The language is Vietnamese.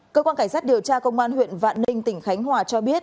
cơ quan cảnh sát điều tra công an huyện vạn ninh tỉnh khánh hòa cho biết